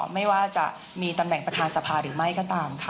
ไม่ว่าจะมีตำแหน่งประธานสภาหรือไม่ก็ตามค่ะ